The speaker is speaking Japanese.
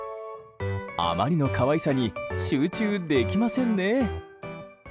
あまりの可愛さに集中できませんね。